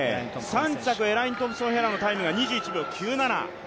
３着エライン・トンプソン・ヘラのタイムが２１秒９７。